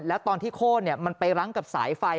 แล้วตอนที่โค้นมันไปรั้งกับสายไฟ